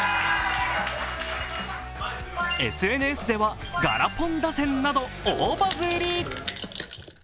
ＳＮＳではガラポン打線など大バズり。